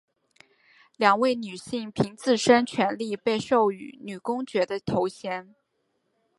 两位女性凭自身权利被授予女公爵的头衔。